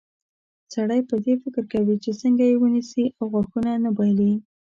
سړی پر دې فکر کوي چې څنګه یې ونیسي او غاښونه نه بایلي.